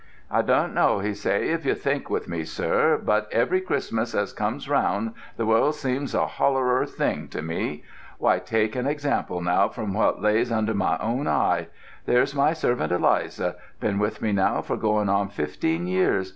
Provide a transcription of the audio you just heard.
"I don't know," he said, "if you think with me, sir; but every Christmas as comes round the world seems a hollerer thing to me. Why, take an example now from what lays under my own eye. There's my servant Eliza been with me now for going on fifteen years.